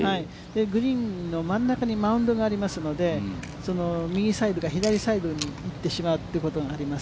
グリーンの真ん中にマウンドがありますので、その右サイドか左サイドに行ってしまうということがあります。